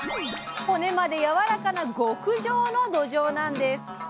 骨までやわらかな極上のどじょうなんです。